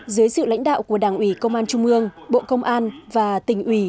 dưới sự lãnh đạo của đảng ủy công an trung ương bộ công an và tỉnh ủy